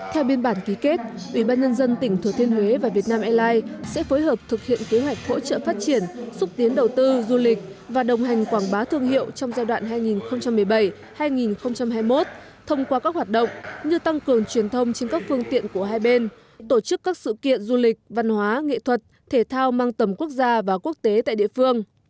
theo biên bản ký kết ubnd tỉnh thừa thiên huế và việt nam airlines sẽ phối hợp thực hiện kế hoạch hỗ trợ phát triển xúc tiến đầu tư du lịch và đồng hành quảng bá thương hiệu trong giai đoạn hai nghìn một mươi bảy hai nghìn hai mươi một thông qua các hoạt động như tăng cường truyền thông trên các phương tiện của hai bên tổ chức các sự kiện du lịch văn hóa nghệ thuật thể thao mang tầm quốc gia và quốc tế tại địa phương